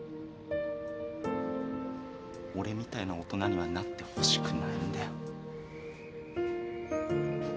俺みたいな大人にはなってほしくないんだよ